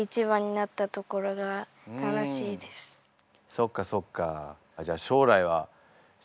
そっかそっか。